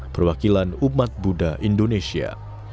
perwakilan umat buddha indonesia